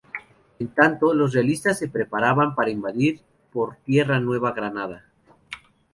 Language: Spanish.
En tanto, los realistas se preparaban para invadir por tierra Nueva Granada.